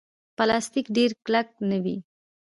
پلاستيک ډېر کلک نه وي.